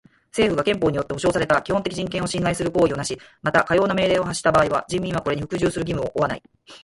政府が憲法によって保障された基本的人権を侵害する行為をなし、またかような命令を発した場合は人民はこれに服従する義務を負わない。